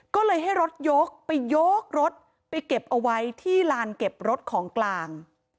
ก็เลยให้รถยกไปยกรถไปเก็บเอาไว้ที่ลานเก็บรถของกลาง